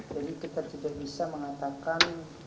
jadi kita tidak bisa mengatakan